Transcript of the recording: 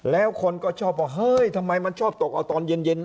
แล้วคนก็ชอบว่าเฮ้ยทำไมมันชอบตกเอาตอนเย็น